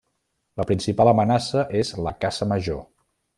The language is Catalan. La principal amenaça és la caça major.